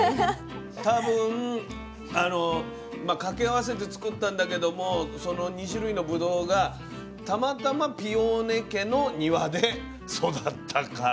多分掛け合わせて作ったんだけどもその２種類のぶどうがたまたまピオーネ家の庭で育ったから。